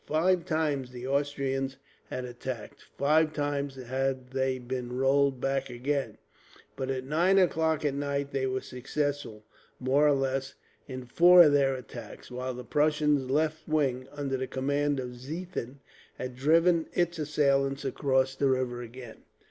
Five times the Austrians had attacked, five times had they been rolled back again; but at nine o'clock at night they were successful, more or less, in four of their attacks, while the Prussian left wing, under the command of Ziethen, had driven its assailants across the river again.